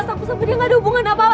aku sama dia gak ada hubungan apa apa